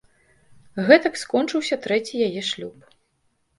Гэтак скончыўся трэці яе шлюб.